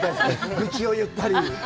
愚痴を言ったり。